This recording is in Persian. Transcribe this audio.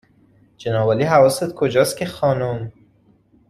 جنابعالی حواست کجاست که خانم